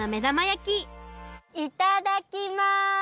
いただきます！